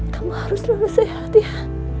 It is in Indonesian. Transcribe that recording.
kamu harus selalu sehat ya